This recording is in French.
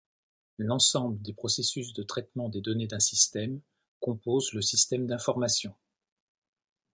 L'ensemble des processus de traitement des données d'un système compose le système d'information.